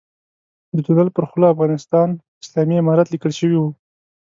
د تونل پر خوله افغانستان اسلامي امارت ليکل شوی و.